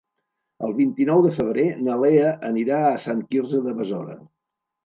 El vint-i-nou de febrer na Lea anirà a Sant Quirze de Besora.